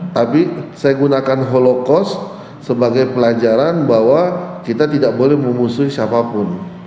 tapi saya gunakan holocos sebagai pelajaran bahwa kita tidak boleh memusuhi siapapun